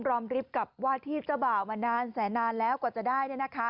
อมริฟต์กับว่าที่เจ้าบ่าวมานานแสนนานแล้วกว่าจะได้